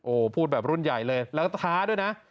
โอ้โหพูดแบบรุ่นใหญ่เลยแล้วก็ท้าด้วยนะ